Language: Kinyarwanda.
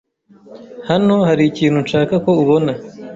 Hano hari ikintu nshaka ko ubona.